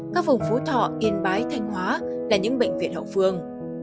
các vùng phú thọ yên bái thanh hóa là những bệnh viện hậu phương